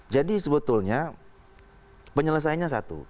jadi sebetulnya penyelesaiannya satu